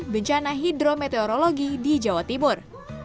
bencana hidrometeorologi di jawa timur